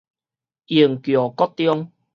螢橋國中